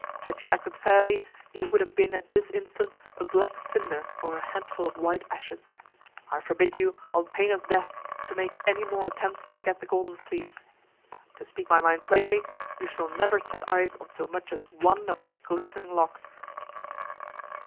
Had you acted fairly, you would have been at this instant a black cinder or a handful of white ashes. I forbid you, on pain of death, to make any more attempts to get the Golden Fleece. To speak my mind plainly, you shall never set eyes on so much as one of its glistening locks."